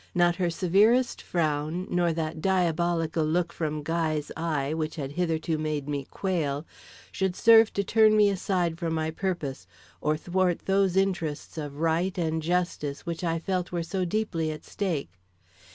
Not her severest frown, nor that diabolical look from Guy's eye, which had hitherto made me quail, should serve to turn me aside from my purpose, or thwart those interests of right and justice which I felt were so deeply at stake.